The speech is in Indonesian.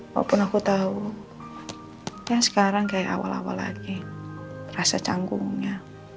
walaupun aku tahu yang sekarang kayak awal awal lagi rasa canggungnya